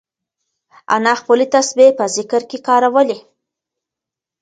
انا خپلې تسبیح په ذکر کې کارولې.